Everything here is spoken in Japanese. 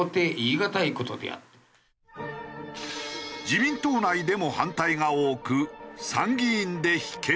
自民党内でも反対が多く参議院で否決。